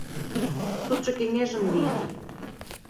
Судшо кеҥежым лийын.